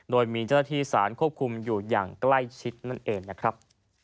โดยมีเจ้าหน้าที่สารควบคุมอยู่อย่างใกล้ชิดนั่นเองนะครับ